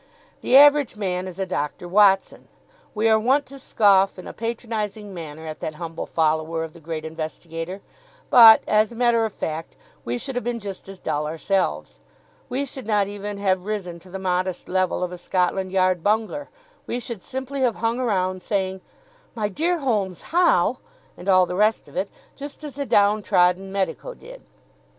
The average man is a Doctor Watson. We are wont to scoff in a patronising manner at that humble follower of the great investigator, but, as a matter of fact, we should have been just as dull ourselves. We should not even have risen to the modest level of a Scotland Yard Bungler. We should simply have hung around, saying: "My dear Holmes, how ?" and all the rest of it, just as the downtrodden medico did.